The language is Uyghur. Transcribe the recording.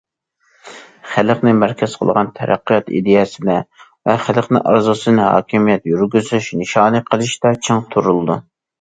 خەلقنى مەركەز قىلغان تەرەققىيات ئىدىيەسىدە ۋە خەلقنىڭ ئارزۇسىنى ھاكىمىيەت يۈرگۈزۈش نىشانى قىلىشتا چىڭ تۇرۇلىدۇ.